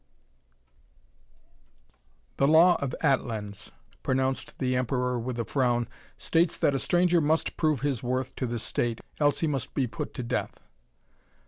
"The law of Atlans," pronounced the Emperor with a frown, "states that a stranger must prove his worth to the State, else he must be put to death.